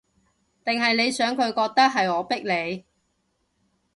定係你想佢覺得，係我逼你